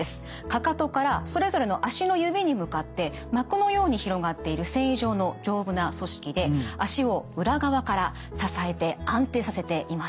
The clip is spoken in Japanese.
かかとからそれぞれの足の指に向かって膜のように広がっている線維状の丈夫な組織で足を裏側から支えて安定させています。